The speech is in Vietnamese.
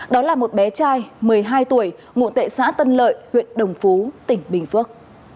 đó là một bé trai một mươi hai tuổi ngụ tệ xã tân lợi huyện đồng phú tỉnh bình phước